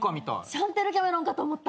シャンテル・キャメロンかと思った。